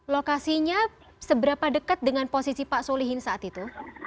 lokasinya seberapa dekat dengan posisi pak solihin saat itu